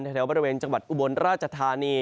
ประเทศบริเวณจังหวัดอุบนราชทานี